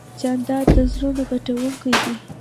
جانداد د زړونو ګټونکی دی.